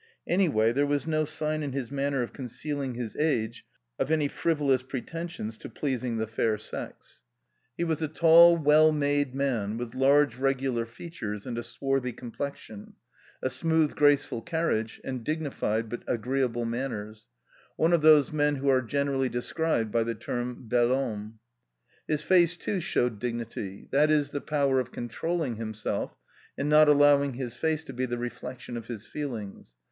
Any way there was no sign in his manner of concealing his age, of any frivolous pretensions to pleasing the fair sex. 26 A COMMON STORY He was a tall, well made man, with large regular features and a swarthy complexion, a smooth graceful carriage, and dignified but agreeable manners— one of those men who arejjenerally described by the term bel homme. !is face, too, showed dignity — that is, the power of con trolling himself and not allowing his face to be the reflection ^gf his feelings.